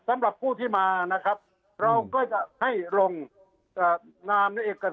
สำหรับผู้ที่มานะครับเราก็จะให้ลงนามในเอก